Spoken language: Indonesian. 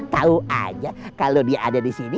tau aja kalau dia ada disini